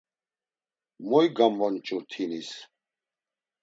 Moy gamvonç̌urt hinis.